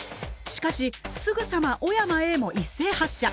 しかしすぐさま小山Ａも一斉発射！